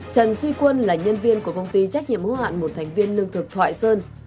trần duy quân là nhân viên của công ty trách nhiệm hữu hạn một thành viên lương thực thoại sơn